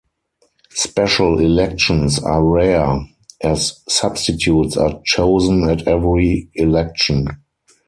Special elections are rare, as substitutes are chosen at every election.